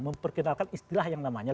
memperkenalkan istilah yang namanya